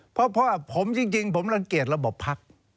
เพราะว่าผมจริงผมรังเกียจระบบพัก